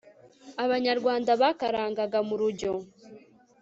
abanyarwanda bakarangaga mu rujyo